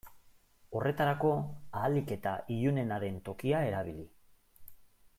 Horretarako ahalik eta ilunena den tokia erabili.